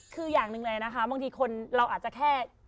คืออย่างหนึ่งเลยนะคะบางทีคนเราอาจจะแค่